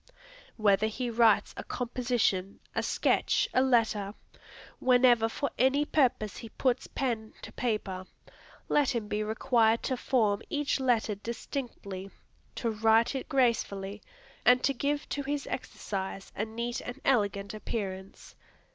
Whether he writes a composition, a sketch, a letter, whenever for any purpose he puts pen to paper, let him be required to form each letter distinctly, to write it gracefully, and to give to his exercise a neat and elegant appearance.